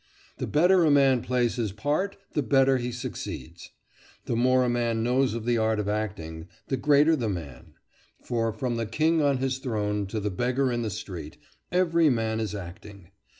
The better a man plays his part, the better he succeeds. The more a man knows of the art of acting, the greater the man; for, from the king on his throne to the beggar in the street, every man is acting.